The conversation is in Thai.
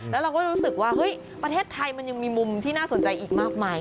แล้วเราก็รู้สึกว่าเฮ้ยประเทศไทยมันยังมีมุมที่น่าสนใจอีกมากมาย